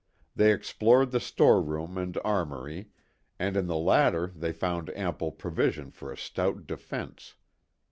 They explored the storeroom and armory, and in the latter they found ample provision for a stout defense.